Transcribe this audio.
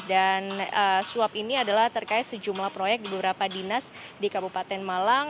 dan suap ini adalah terkait sejumlah proyek di beberapa dinas di kabupaten malang